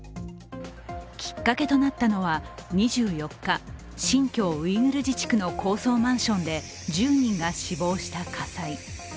きっかけとなったのは２４日、新疆ウイグル自治区の高層マンションで１０人が死亡した火災。